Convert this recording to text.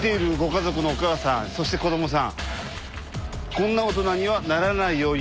こんな大人にはならないように。